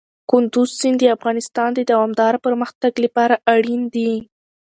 کندز سیند د افغانستان د دوامداره پرمختګ لپاره اړین دي.